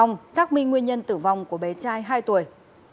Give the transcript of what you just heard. xác minh nguyên nhân tử vong của bé trai hai tuổi